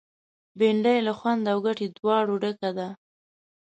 بېنډۍ له خوند او ګټې دواړو ډکه ده